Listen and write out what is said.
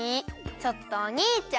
ちょっとおにいちゃん！